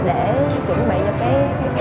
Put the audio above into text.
để chuẩn bị cho cái tiệc hôm nay